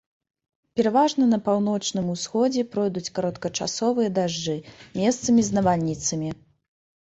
Пераважна на паўночным усходзе пройдуць кароткачасовыя дажджы, месцамі з навальніцамі.